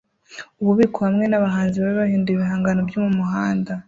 Ububiko hamwe nabahanzi babi bahinduye ibihangano byo mumuhanda